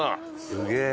すげえ！